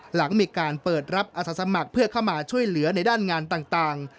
หลังมีการเปิดรับอาสาสมัครเพื่อเข้ามาช่วยเหลือในด้านงานต่าง